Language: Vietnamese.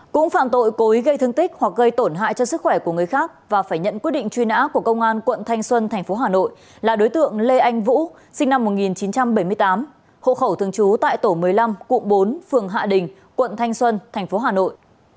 cũng phạm tội cố ý gây thương tích hoặc gây tổn hại cho sức khỏe của người khác và phải nhận quyết định truy nã của công an quận thanh xuân tp hà nội là đối tượng lê anh vũ sinh năm một nghìn chín trăm bảy mươi tám hộ khẩu thường trú tại tổ một mươi năm cụm bốn phường hạ đình quận thanh xuân tp hà nội